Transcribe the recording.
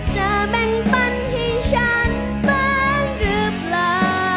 จะแบ่งปันให้ฉันบ้างหรือเปล่า